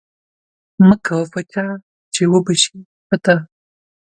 مه کوه په چا چی اوبه شی په تا.